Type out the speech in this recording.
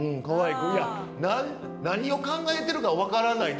うん何を考えてるか分からない。